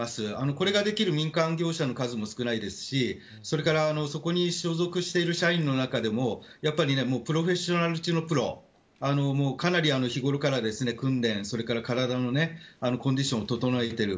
これができる民間業者の数も少ないですしそれから、そこに所属している社員の中でもプロフェッショナル中のプロかなり日頃から訓練それから体のコンディションを整えている。